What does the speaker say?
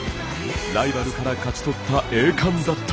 ライバルから勝ち取った栄冠だった。